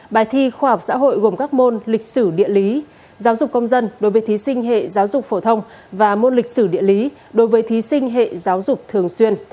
bài thi khoa học xã hội gồm các môn lịch sử địa lý giáo dục công dân đối với thí sinh hệ giáo dục phổ thông và môn lịch sử địa lý đối với thí sinh hệ giáo dục thường xuyên